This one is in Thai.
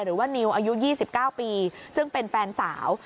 หรือว่านิวอายุ๒๙ปีซึ่งเป็นแฟนสาว